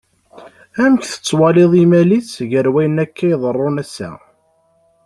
Amek tettwaliḍ imal-is gar wayen akka iḍerrun ass-a?